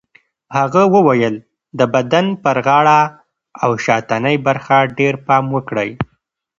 هغه وویل د بدن پر غاړه او شاتنۍ برخه ډېر پام وکړئ.